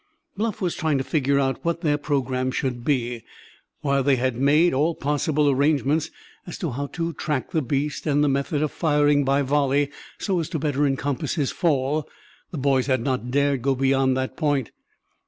Bluff was trying to figure out what their program should be. While they had made all possible arrangements as to how to track the beast and the method of firing by volley so as to better encompass his fall, the boys had not dared go beyond that point.